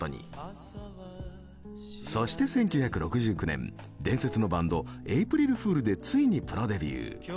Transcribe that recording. そして１９６９年伝説のバンドエイプリル・フールでついにプロデビュー。